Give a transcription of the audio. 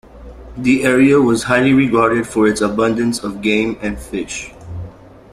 The area was highly regarded for its abundance of game and fish.